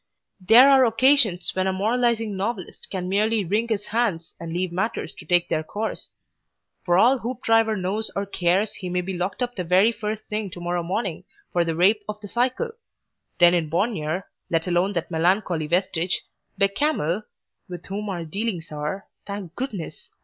There are occasions when a moralising novelist can merely wring his hands and leave matters to take their course. For all Hoopdriver knows or cares he may be locked up the very first thing to morrow morning for the rape of the cycle. Then in Bognor, let alone that melancholy vestige, Bechamel (with whom our dealings are, thank Goodness!